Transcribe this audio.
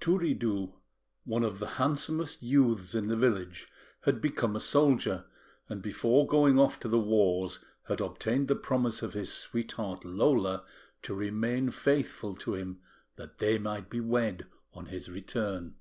Turiddu, one of the handsomest youths in the village, had become a soldier, and before going off to the wars, had obtained the promise of his sweetheart, Lola, to remain faithful to him, that they might be wed on his return.